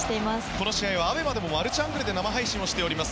この試合はＡＢＥＭＡでもマルチアングルで生配信をしております。